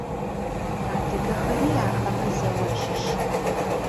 Адыгэхэри ахэмэ зэу ащыщ.